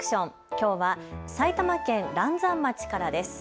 きょうは埼玉県嵐山町からです。